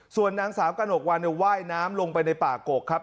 ส่วนนางสาวกระหนกวันว่ายน้ำลงไปในป่ากกครับ